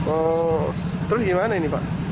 oh terus gimana ini pak